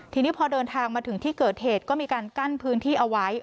ทีนี้พอเดินทางมาถึงที่เกิดเหตุก็มีการกั้นพื้นที่เอาไว้